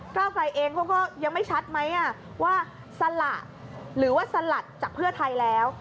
เก้าไกลเองเขาก็ยังไม่ชัดไหมว่าสละหรือว่าสลัดจากเพื่อไทยแล้ว